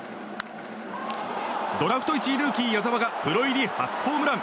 ドラフト１位ルーキー、矢澤がプロ入り初ホームラン。